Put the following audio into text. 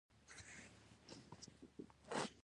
اول خو کونډه سوه بيا د اکا ظلمونه.